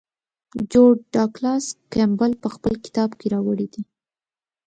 جورج ډاګلاس کیمبل په خپل کتاب کې راوړی دی.